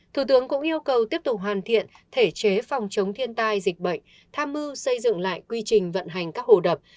thủ tướng cũng yêu cầu tiếp tục hoàn thiện thể chế phòng chống thiên tai dịch bệnh tham mưu xây dựng lại quy trình vận hành các hồ đập